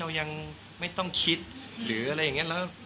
ยังไม่ต้องคิดหรืออะไรอย่างนี้